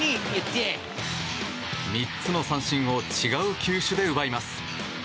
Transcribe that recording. ３つの三振を違う球種で奪います。